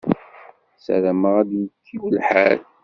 Sarameɣ ad yekkiw lḥal.